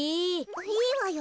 いいわよ。